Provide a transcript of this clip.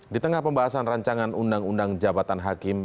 di tengah pembahasan rancangan undang undang jabatan hakim